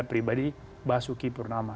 pribadi basuki purnama